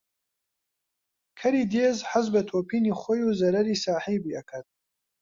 کەری دێز حەز بە تۆپینی خۆی و زەرەری ساحێبی ئەکات